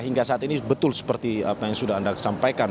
hingga saat ini betul seperti apa yang sudah anda sampaikan